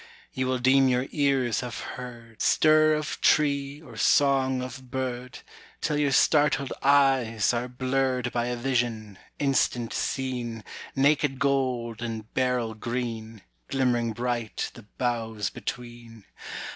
"You will deem your ears have heard Stir of tree or song of bird, Till your startled eyes are blurred "By a vision, instant seen, Naked gold and beryl green, Glimmering bright the boughs between.